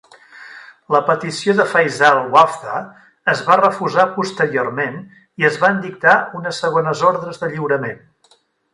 La petició de Faisal Wavda es va refusar posteriorment i es van dictar unes segones ordres de lliurament.